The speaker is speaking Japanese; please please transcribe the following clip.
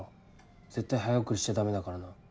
絶対早送りしちゃダメだからな。